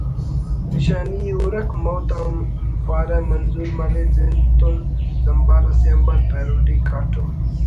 نشانی ءِ ہُرک موت انا پارہ منظور مرے زند تو زمبار اسے آنبار پیروڈی کاٹم